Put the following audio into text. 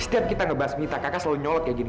setiap kita ngebahas mita kakak selalu nyolot kayak gini